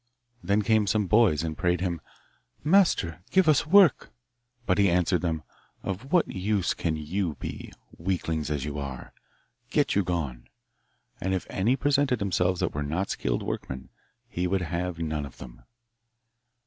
Then came some boys and prayed him, "master, give us work,' but he answered them, 'Of what use can you be, weaklings as you are! Get you gone!' And if any presented themselves that were not skilled workmen he would have none of them.